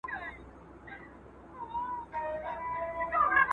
هغه مینه وال چې فوټبال ګوري په خپلو لوبغاړو باندې ویاړي.